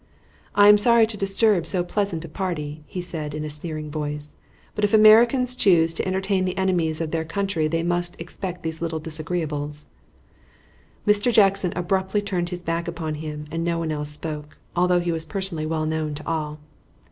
"I am sorry to disturb so pleasant a party," he said in a sneering voice, "but if Americans choose to entertain the enemies of their country they must expect these little disagreeables." Mr. Jackson abruptly turned his back upon him, and no one else spoke, although he was personally well known to all.